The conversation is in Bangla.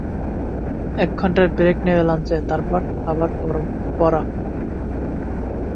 এক ঘণ্টার ব্রেক নেবে লাঞ্চে, তারপর আবার পড়া।